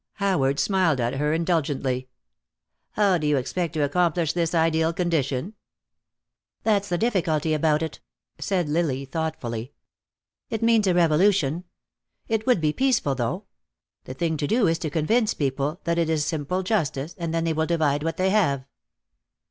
Howard smiled at her indulgently. "How do you expect to accomplish this ideal condition?" "That's the difficulty about it," said Lily, thoughtfully. "It means a revolution. It would be peaceful, though. The thing to do is to convince people that it is simple justice, and then they will divide what they have."